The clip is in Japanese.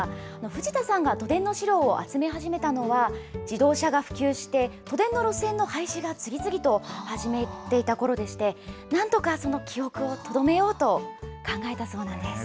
藤田さんが都電の資料を集め始めたのは、自動車が普及して、都電の路線の廃止が次々と始めていたころでして、なんとかその記憶をとどめようと考えたそうなんです。